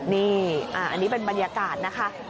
นี่อันนี้เป็นบรรยากาศนะคะ